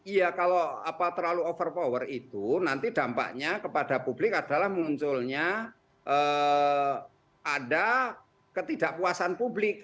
iya kalau terlalu overpower itu nanti dampaknya kepada publik adalah munculnya ada ketidakpuasan publik